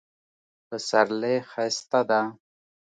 پسرلی ښایسته ده